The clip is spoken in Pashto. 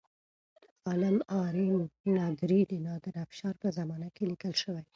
عالم آرای نادري د نادر افشار په زمانه کې لیکل شوی.